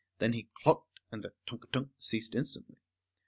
Then he clucked, and the tunk a tunk ceased instantly.